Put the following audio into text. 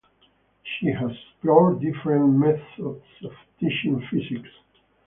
She has explored different methods of teaching physics.